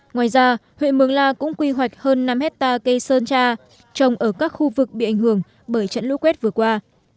ngoài ra huyện mường la cũng quy hoạch hơn năm hectare cây sơn tra trồng ở các khu vực bị ảnh hưởng bởi trận lũ quét vừa qua